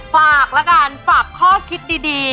ฝากแล้วกันฝากข้อคิดดี